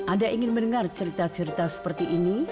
anda ingin mendengar cerita cerita seperti ini